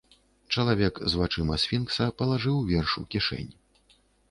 Чалавек з вачыма сфінкса палажыў верш у кішэнь.